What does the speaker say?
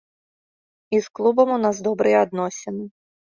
І з клубам у нас добрыя адносіны.